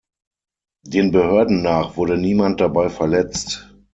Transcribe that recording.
Den Behörden nach wurde niemand dabei verletzt.